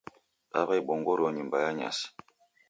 Dawaibongorua nyumba ya nyasi.